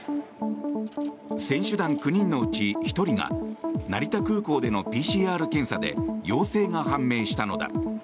選手団９人のうち１人が成田空港でのＰＣＲ検査で陽性が判明したのだ。